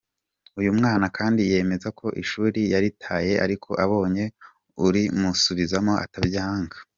Uyu mwana kandi yemeza ko ishuri yaritaye ariko abonye urimusubizamo atabyanga.